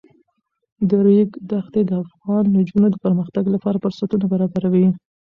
د ریګ دښتې د افغان نجونو د پرمختګ لپاره فرصتونه برابروي.